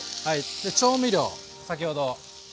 で調味料先ほど。